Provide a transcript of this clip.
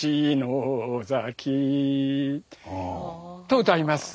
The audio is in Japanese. と歌います。